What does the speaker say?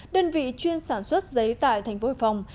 đơn vị chuyên sản xuất giấy tại tp hải phòng